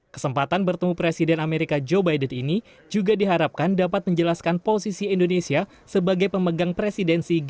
kesempatan bertemu presiden amerika joe biden ini juga diharapkan dapat menjelaskan posisi indonesia sebagai pemegang presidensi g dua puluh